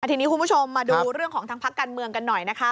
ทีนี้คุณผู้ชมมาดูเรื่องของทางพักการเมืองกันหน่อยนะคะ